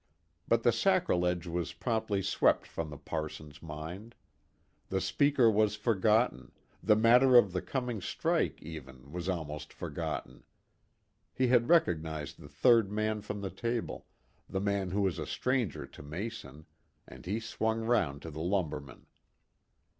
But the sacrilege was promptly swept from the parson's mind. The speaker was forgotten, the matter of the coming strike, even, was almost forgotten. He had recognized the third man on the table, the man who was a stranger to Mason, and he swung round on the lumberman.